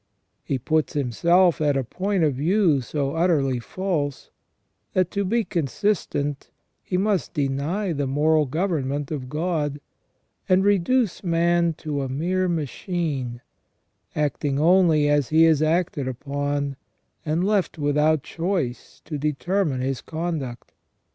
He puts himself at a point of view so utterly false, that, to be consistent, he must deny the moral government of God, and reduce man to a mere machine, acting only as he is acted upon, and left without choice to determine his conduct.